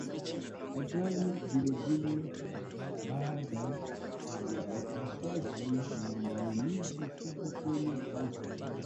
ajali vilevile baada ya upasuaji na maumivu sugu kwenye kansa